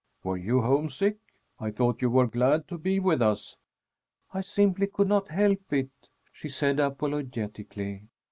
"Were you homesick? I thought you were glad to be with us." "I simply could not help it," she said apologetically.